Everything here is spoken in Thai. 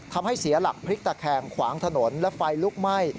ทำให้เสียหลักพลิกตะแคงขวางถนนและไฟลุกไหม้